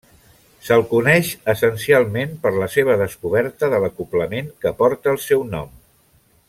Se'l coneix essencialment per la seva descoberta de l'acoblament que porta el seu nom.